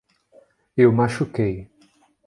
Eu machuquei